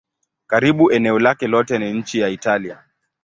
Karibu eneo lake lote ni nchi ya Italia.